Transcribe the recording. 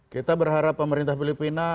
kita berharap pemerintah filipina